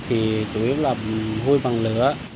thì chủ yếu là hôi bằng lửa